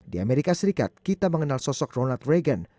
di amerika serikat kita mengenal sosok ronald reagan